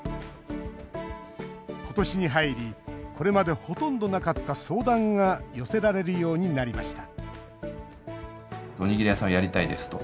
今年に入り、これまでほとんどなかった相談が寄せられるようになりました